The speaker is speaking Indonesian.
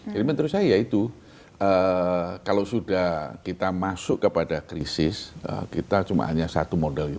jadi menurut saya itu kalau sudah kita masuk kepada krisis kita hanya satu model